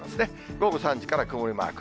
午後３時から曇りマーク。